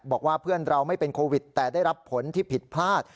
บอกว่าเพื่อนเราไม่เป็นโควิดแต่ได้รับผลที่ผิดพลาด